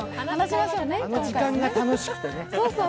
あの時間が楽しくてね。